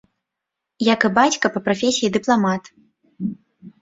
Як і бацька, па прафесіі дыпламат.